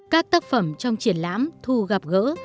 các tác phẩm trong triển lãm thu gặp gỡ